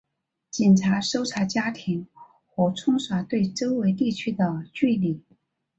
警察搜查家庭和冲刷对周围地区的距离。